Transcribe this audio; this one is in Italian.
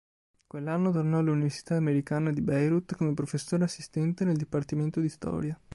Quell'anno tornò all'Università Americana di Beirut come professore assistente nel Dipartimento di Storia.